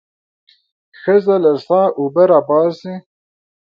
ښځه له څاه اوبه راباسي.